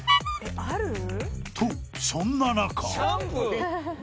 ［とそんな中］